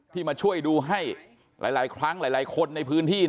มาช่วยดูให้หลายครั้งหลายคนในพื้นที่